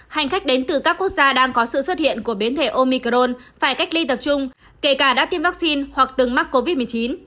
hành khách đến từ các quốc gia đang có sự xuất hiện của biến thể omicron phải cách ly tập trung kể cả đã tiêm vaccine hoặc từng mắc covid một mươi chín